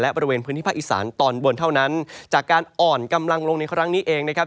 และบริเวณพื้นที่ภาคอีสานตอนบนเท่านั้นจากการอ่อนกำลังลงในครั้งนี้เองนะครับ